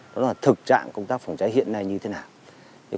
đó là thực trạng công tác phòng cháy hiện nay như thế nào